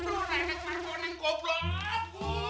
lu nanya ke marion yang goblok